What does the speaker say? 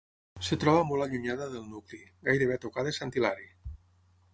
Es troba molt allunyada del nucli, gairebé a tocar de Sant Hilari.